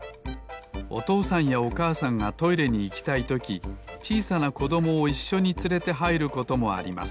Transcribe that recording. おとうさんやおかあさんがトイレにいきたいときちいさなこどもをいっしょにつれてはいることもあります